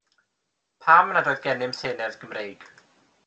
Pam nad oedd gennym senedd Gymreig?